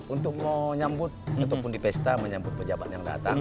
untuk menyambut ataupun di pesta menyambut pejabat yang datang